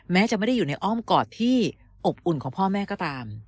แม้จะไม่ได้อยู่ในอ้อมกอดที่อบอุ่นของพ่อแม่ก็ตาม